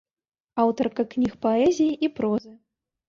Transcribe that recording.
Аўтарка кніг паэзіі і прозы.